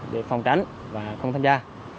để phòng tránh và không tham gia